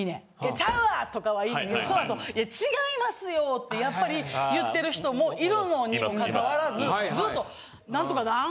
「ちゃうわ！」とかはいいけどそのあと「ちがいますよ」ってやっぱり言ってる人もいるのにもかかわらずずっと「なんとかなん？」